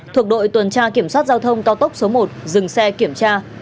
thuộc đội tuần tra kiểm soát giao thông cao tốc số một dừng xe kiểm tra